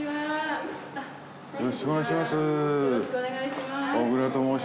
よろしくお願いします。